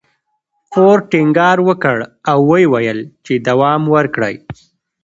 فورډ ټينګار وکړ او ويې ويل چې دوام ورکړئ.